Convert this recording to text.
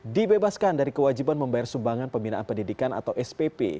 dibebaskan dari kewajiban membayar sumbangan pembinaan pendidikan atau spp